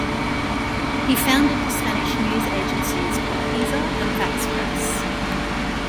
He founded the Spanish news agencies Colpisa and Fax Press.